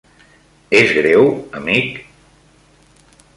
És greu, amic?